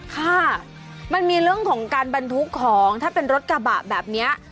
ค่ะมันมีเรื่องของการบรรทุกของถ้าเป็นรถกระบะแบบนี้